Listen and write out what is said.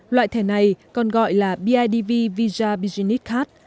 loại thẻ này còn gọi là bidv visa business cat